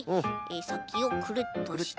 さきをくるっとして。